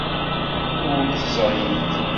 Ur t-ẓrint.